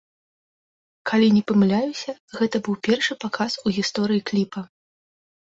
Калі не памыляюся, гэта быў першы паказ у гісторыі кліпа.